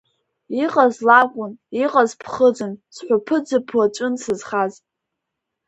Иҟаз лакәын, иҟаз ԥхыӡын, сҳәыԥыӡыԥуа ҵәын сызхаз.